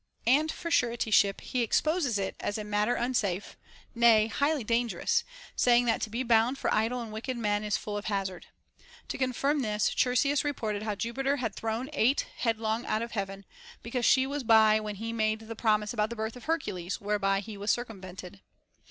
And for suretyship he exposes it as a mat ter unsafe, nay highly dangerous, saying that to be bound for idle and wicked men is full of hazard. f To confirm this, Chersias reported how Jupiter had thrown Ate head long out of heaven, because she was by when he made the promise about the birth of Hercules whereby he was cir cumvented.